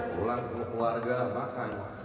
pulang keluarga makan